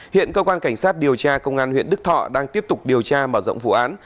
hiện cơ quan cảnh sát điều tra công an huyện đức thọ đang tiếp tục điều tra mở rộng vụ án